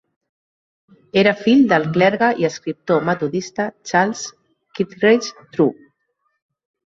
Era fill del clergue i escriptor metodista Charles Kittredge True.